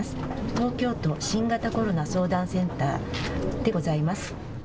東京都新型コロナ相談センターでございます。